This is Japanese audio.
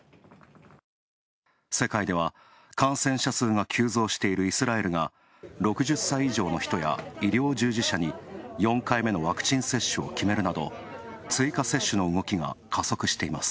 世界では、感染者数が急増しているイスラエルが、６０歳以上の人や医療従事者に４回目のワクチン接種を決めるなど、追加接種の動きが加速しています。